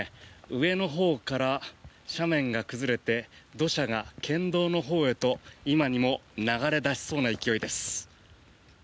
上のほうから斜面が崩れて土砂が県道のほうへと今にも流れ出しそうな勢いです。